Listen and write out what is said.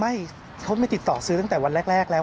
ไม่เขาไม่ติดต่อซื้อตั้งแต่วันแรกแล้ว